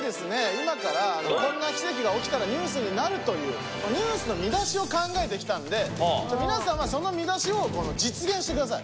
今からこんな奇跡が起きたらニュースになるというニュースの見出しを考えてきたんで皆さんはその見出しを実現してください。